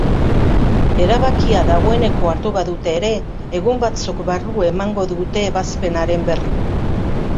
Erabakia dagoeneko hartu badute ere, egun batzuk barru emango dute ebazpenaren berri.